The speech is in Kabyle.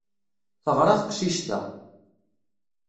Teɣra teqcic-a.